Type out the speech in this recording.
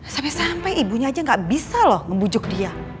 sampai sampai ibunya aja gak bisa loh membujuk dia